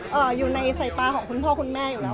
อยู่ในสายตาของคุณพ่อคุณแม่อยู่แล้ว